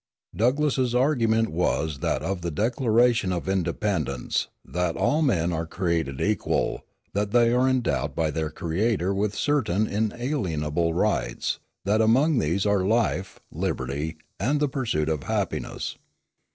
Douglass's argument was that of the Declaration of Independence, "that all men are created equal; that they are endowed by their Creator with certain inalienable rights; that among these are life, liberty, and the pursuit of happiness.